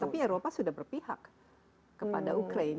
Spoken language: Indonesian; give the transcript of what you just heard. tapi eropa sudah berpihak kepada ukraine